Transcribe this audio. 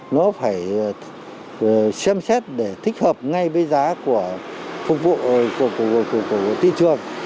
nó phải xem xét để thích hợp ngay với giá của phục vụ của thị trường